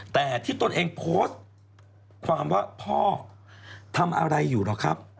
แต่ที่ตนเองโพสต์ความว่าพ่อทำอะไรอยู่หรอครับ